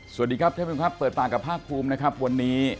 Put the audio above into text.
สวัสดีครับท่านผู้ชมครับเปิดปากกับภาคภูมินะครับวันนี้